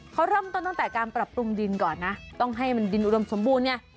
เขาเริ่มต้นตั้งแต่การปรับปรุงดินก่อนนะต้องให้มันดินอุดมสมบูรณไง